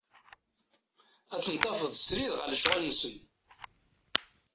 Ad tent-tafeḍ srid ɣer lecɣal-nsen.